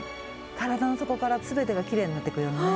体の底から全てがきれいになっていくようなね